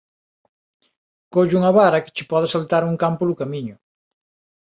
Colle unha vara que che pode saltar un can polo camiño.